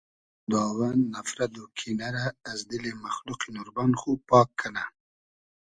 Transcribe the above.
خوداوند نفرت و کینۂ رۂ از دیلی مئخلوقی نوربئن خو پاگ کئنۂ